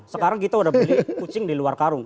sekarang kita udah beli kucing di luar karung